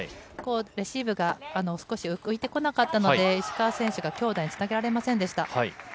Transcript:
レシーブが少し浮いてこなかったので、石川選手が強打につなげられませんでした。